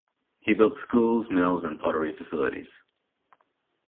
He built schools, mills and pottery facilities.